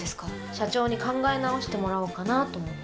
社長に考え直してもらおうかなと思って。